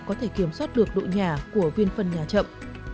có thể kiểm soát được độ nhả của viên phân nhả chậm